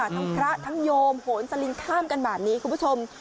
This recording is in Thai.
ทั้งพระทั้งโยมโหนสลิงข้ามกันแบบนี้คุณผู้ชม